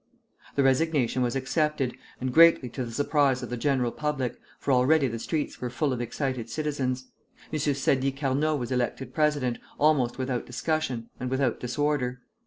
The resignation was accepted, and greatly to the surprise of the general public, for already the streets were full of excited citizens, M. Sadi Carnot was elected president, almost without discussion, and without disorder.